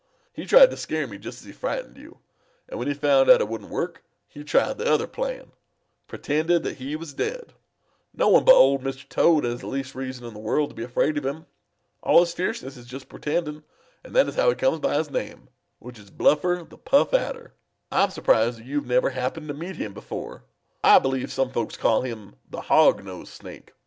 He tried to scare me just as he frightened you, and when he found it wouldn't work, he tried the other plan pretended that he was dead. No one but Old Mr. Toad has the least reason in the world to be afraid of him. All his fierceness is just pretending, and that is how he comes by his name, which is Bluffer the Puff Adder. I'm surprised that you've never happened to meet him before. I believe some folks call him the Hog nosed Snake.